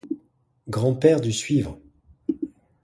Grand-père du suivant.